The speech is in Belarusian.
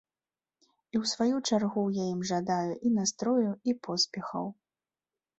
І ў сваю чаргу я ім жадаю і настрою, і поспехаў.